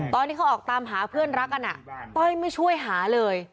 ตอนที่เขาออกตามหาเพื่อนรักกันต้อยไม่ช่วยหาเลย